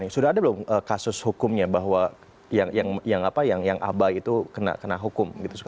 sudah ada belum kasus hukumnya bahwa yang abai itu kena hukum